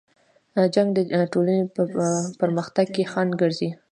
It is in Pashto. جنګ د ټولنې په پرمختګ کې خنډ ګرځي.